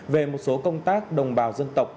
về một số công tác đồng bào dân tộc